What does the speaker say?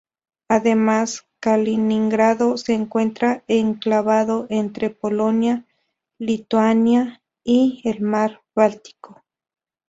Además Kaliningrado se encuentra enclavado entre Polonia, Lituania y el mar Báltico.